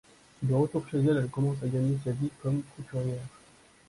De retour chez elle, elle commence à gagner sa vie comme couturière.